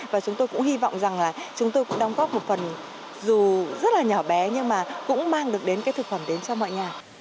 và chúng tôi cũng hy vọng rằng là chúng tôi cũng đóng góp một phần dù rất là nhỏ bé nhưng mà cũng mang được đến cái thực phẩm đến cho mọi nhà